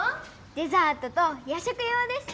デザートと夜食用です